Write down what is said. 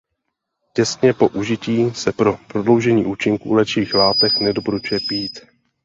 Těsně po užití se pro prodloužení účinku léčivých látek nedoporučuje pít.